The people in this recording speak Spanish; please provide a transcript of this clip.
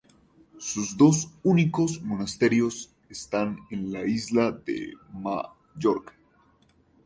Sus dos únicos monasterios están en la isla de Mallorca.